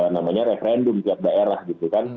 namanya referendum tiap daerah gitu kan